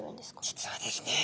実はですね